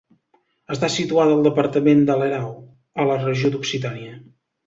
Està situat al departament de l'Erau, a la regió d'Occitània.